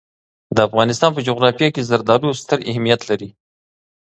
د افغانستان په جغرافیه کې زردالو ستر اهمیت لري.